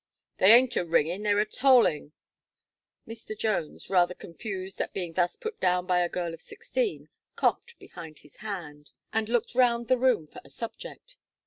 "They aint a ringing; they're a tolling." Mr. Jones, rather confused at being thus put down by a girl of sixteen, coughed behind his hand, and looked round the room for a subject.